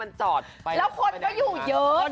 แล้วคนก็อยู่เยอะ